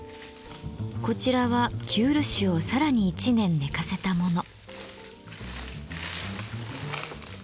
こちらは生漆をさらに１年寝かせたもの。